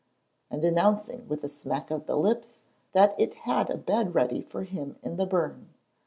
and announcing, with a smack of the lips, that it had a bed ready for him in the burn.